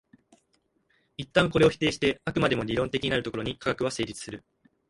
一旦これを否定して飽くまでも理論的になるところに科学は成立する。